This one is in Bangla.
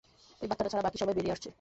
ওই বাচ্চাটা ছাড়া বাকি সবাই বেরিয়ে আসছে!